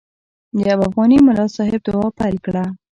یو افغاني ملا صاحب دعا پیل کړه.